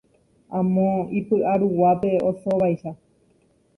Amo ipyʼa ruguápe osóvaicha.